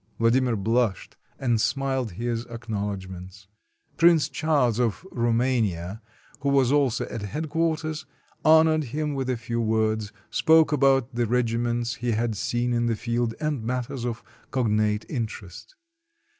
Vladimir blushed, and smiled his acknowledgments. Prince Charles of Roumania, who was also at head quarters, honored him with a few words, spoke about the regiments he had seen in the field, and matters of cognate interest.